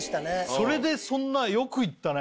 それでそんなよく言ったね